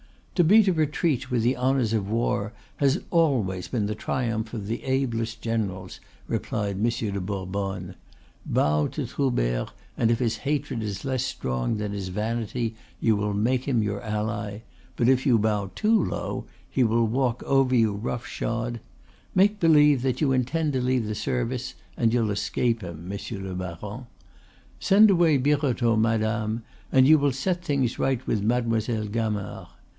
"To beat a retreat with the honors of war has always been the triumph of the ablest generals," replied Monsieur de Bourbonne. "Bow to Troubert, and if his hatred is less strong than his vanity you will make him your ally; but if you bow too low he will walk over you rough shod; make believe that you intend to leave the service, and you'll escape him, Monsieur le baron. Send away Birotteau, madame, and you will set things right with Mademoiselle Gamard.